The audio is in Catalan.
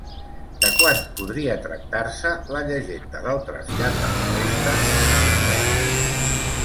De quan podria tractar-se la llegenda del trasllat de les restes a Amiens?